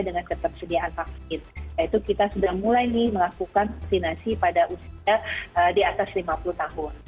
nah itu kita sudah mulai melakukan vaksinasi pada usia di atas lima puluh tahun